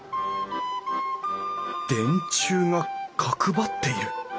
電柱が角張っている！